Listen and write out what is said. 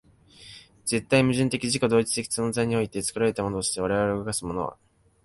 絶対矛盾的自己同一的現在において、作られたものとして我々を動かすものは、